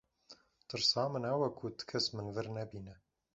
Tirsa min ew e ku ti kes min li vir nebîne.